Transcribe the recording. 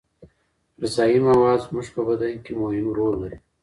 غذايي مواد زموږ په بدن کې مهم رول لري.